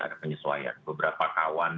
ada penyesuaian beberapa kawan